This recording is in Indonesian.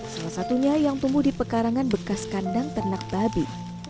salah satunya yang tumbuh di pekarangan bekas kandang ternak babi